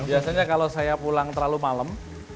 biasanya kalau saya pulang terlalu malam